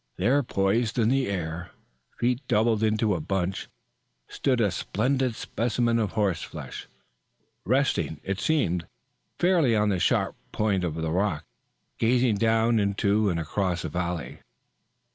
There poised in the air, feet doubled into a bunch, stood a splendid specimen of horse flesh, resting, it seemed, fairly on the sharp point of the rock, gazing down into and across the valley.